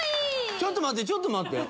ちょっと待ってちょっと待って。